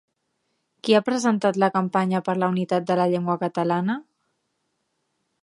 Qui ha presentat la campanya per la unitat de la llengua catalana?